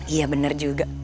iya bener juga